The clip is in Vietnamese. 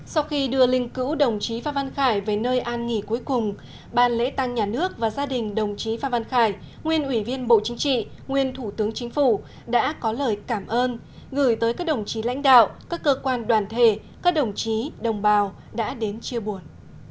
sau khi đưa linh cữu đồng chí phan văn khải về nơi an nghỉ cuối cùng ban lễ tăng nhà nước và gia đình đồng chí phan văn khải nguyên ủy viên bộ chính trị nguyên thủ tướng chính phủ đã có lời cảm ơn gửi tới các đồng chí lãnh đạo các cơ quan đoàn thể các đồng chí đồng bào đã đến chia buồn